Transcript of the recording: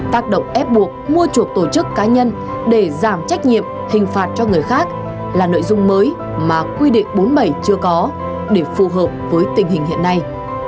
tác động ép buộc mua chuộc tổ chức cá nhân để giảm trách nhiệm hình phạt cho người khác là nội dung mới mà quy định bốn mươi bảy chưa có để phù hợp với tình hình hiện nay